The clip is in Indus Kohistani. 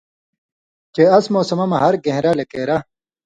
چے اس موسمہ مہ ہر گھېن٘رہ لکېرے